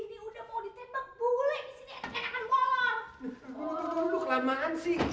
tunggu tunggu kelamaan sih